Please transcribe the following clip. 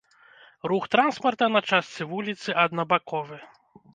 Рух транспарта на частцы вуліцы аднабаковы.